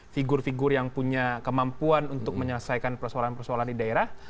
figur figur yang punya kemampuan untuk menyelesaikan persoalan persoalan di daerah